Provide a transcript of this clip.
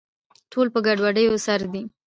ټول په ګډووډو سر دي